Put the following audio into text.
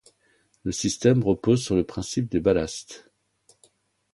Le système repose sur le principe des ballasts.